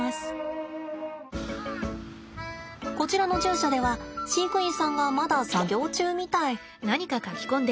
こちらの獣舎では飼育員さんがまだ作業中みたい。